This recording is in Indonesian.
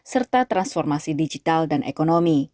serta transformasi digital dan ekonomi